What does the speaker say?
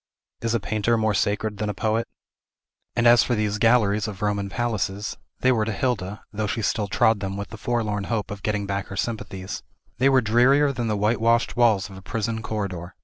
Is a painter more sacred than a poet? And as for these galleries of Roman palaces, they were to Hilda, though she still trod them with the forlorn hope of getting back her sympathies, they were drearier than the whitewashed walls of a prison corridor.